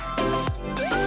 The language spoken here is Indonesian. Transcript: kebun tanaman hias